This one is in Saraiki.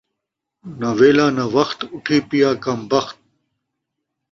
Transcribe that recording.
ناں ویلھا ناں وخت ، اٹھی پیا کم بخت